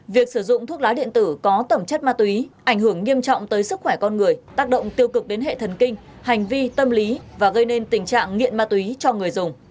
việc sử dụng thuốc lá điện tử có tẩm chất ma túy ảnh hưởng nghiêm trọng tới sức khỏe con người tác động tiêu cực đến hệ thần kinh hành vi tâm lý và gây nên tình trạng nghiện ma túy cho người dùng